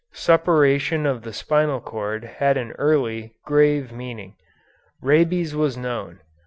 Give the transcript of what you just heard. Suppuration of the spinal cord had an early, grave meaning. Rabies was known.